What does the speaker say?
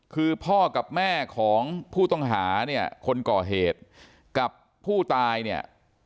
คือพ่อกับแม่ของผู้ต้องหาเนี่ยคนก่อเหตุกับผู้ตายเนี่ย